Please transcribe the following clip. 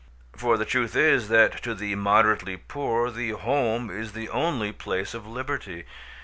For the truth is, that to the moderately poor the home is the only place of liberty.